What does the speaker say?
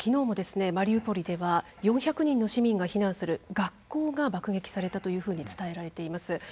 マリウポリでは４００人の市民が避難する学校が爆撃されたというふうに伝えられています。